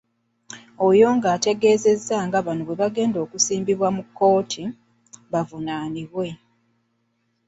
Onyango ategeezezza nga bano bwe bagenda okusimbibwa mu kkooti, bavunaanibwe.